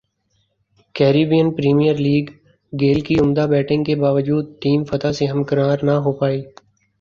Caribbean Premier League Gayle کی عمدہ batting کے باوجود ٹیم فتح سے ہمکنار نہ ہو پائی